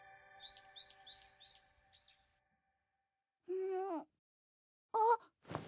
うん。あっ。